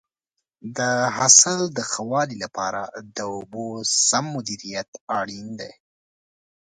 د حاصل د ښه والي لپاره د اوبو سم مدیریت اړین دی.